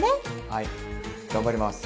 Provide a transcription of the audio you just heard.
はい頑張ります！